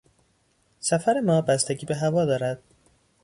سفر ما بستگی به هوا دارد.